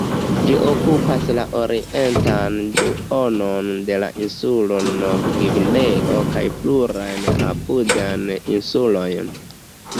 Ĝi okupas la orientan duonon de la insulo Nov-Gvineo kaj plurajn apudajn insulojn.